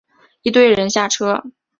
一堆人下车